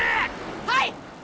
はい！